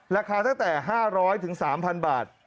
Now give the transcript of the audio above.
ราคาตั้งแต่๕๐๐๓๐๐บาท